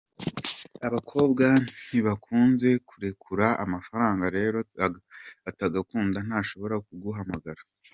Abakobwa ntibakunze kurekura amafaranga rero atagukunda ntashobora kuguhamagara.